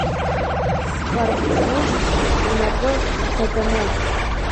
Сҟарҟмыџь унапы лҭаҵаны,…